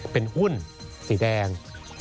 เป็นหุ้นสีแดง